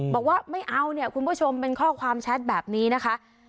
บอกว่าไม่เอาเนี่ยคุณผู้ชมเป็นข้อความแชทแบบนี้นะคะ